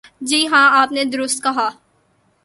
جی ہاں، آپ نے درست کہا۔